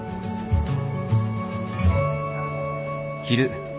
昼。